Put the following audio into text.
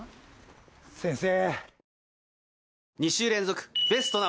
先生。